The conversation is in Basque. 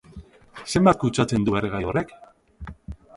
Zenbat kutsatzen du erregai horrek?